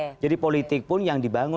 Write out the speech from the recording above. tapi soal politik tentu sudah bidangnya sendiri